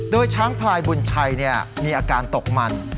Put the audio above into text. โดยช้างพลายบุญชัยมีอาการตกมัน